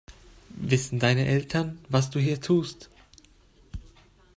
Wissen deine Eltern, was du hier tust?